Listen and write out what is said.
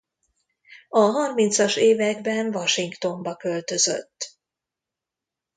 A harmincas években Washingtonba költözött.